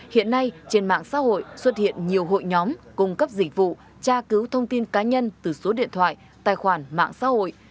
hiện nay trên mạng xã hội xuất hiện nhiều hội nhóm cung cấp dịch vụ tra cứu thông tin cá nhân từ số điện thoại tài khoản mạng xã hội